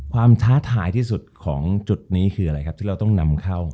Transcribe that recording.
ท้าทายที่สุดของจุดนี้คืออะไรครับที่เราต้องนำเข้า